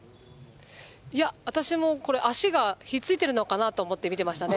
私もこれ、足が引っ付いてるのかなと思って見てましたね。